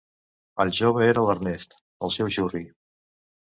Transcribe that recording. El jove era l'Ernest, el seu xurri.